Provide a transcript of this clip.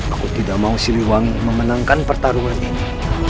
aku tidak mau siliwangi memenangkan pertarungan ini